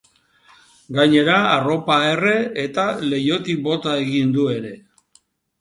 Gainera, arropa erre eta leihotik bota egin du ere.